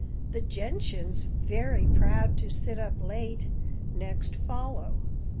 The Gentians, very proud to sit up late, Next follow.